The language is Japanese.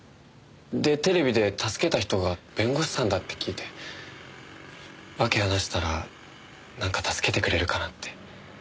でテレビで助けた人が弁護士さんだって聞いて訳話したらなんか助けてくれるかなって。